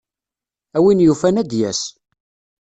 A win yufan ad d-yas.